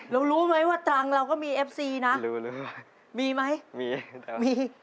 รู้ไหมว่าตรังเราก็มีเอฟซีนะมีไหมมีแต่มี